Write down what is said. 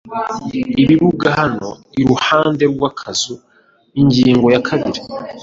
ibibuga hano iruhande rw'akazu? - ingingo ya kabiri. ”